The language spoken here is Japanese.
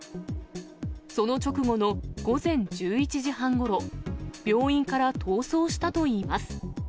その直後の午前１１時半ごろ、病院から逃走したといいます。